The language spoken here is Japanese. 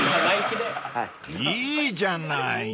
［いいじゃない］